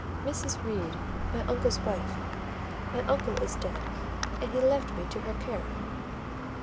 "Mrs. Reed, my uncle's wife. My uncle is dead, and he left me to her care."